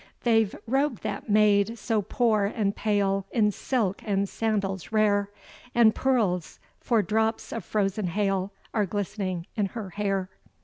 They've robed that maid, so poor and pale, In silk and sandals rare; And pearls, for drops of frozen hail, Are glistening in her hair.